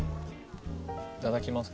いただきます。